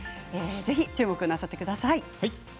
ぜひ注目なさってください。